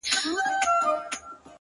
زما خوبـونو پــه واوښـتـل ـ